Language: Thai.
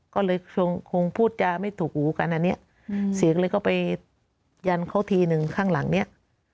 ก็เลยคงพูดจาไม่ถูกหูกันอันนี้เสียงเลยก็ไปยันเขาทีนึงข้างหลังเนี้ย